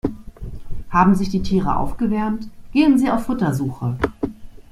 Haben sich die Tiere aufgewärmt, gehen sie auf Futtersuche.